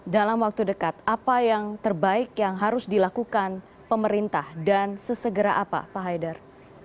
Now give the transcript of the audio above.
dalam waktu dekat apa yang terbaik yang harus dilakukan pemerintah dan sesegera apa pak haidar